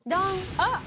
あっ！